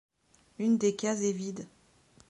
Une des cases est vide.